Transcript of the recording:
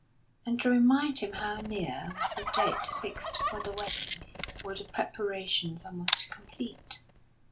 And to remind him how near was the date fixed for the wedding were the preparations almost complete.